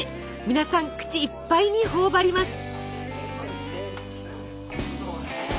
皆さん口いっぱいに頬張ります。